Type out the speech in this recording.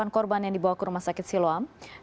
delapan korban yang dibawa ke rumah sakit siloam